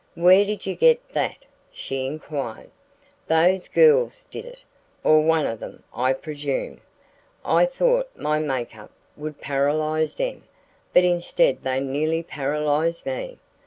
"Where did you get that?" she inquired. "Those girls did it, or one of them, I presume. I thought my make up would paralyze them, but instead they nearly paralyzed me.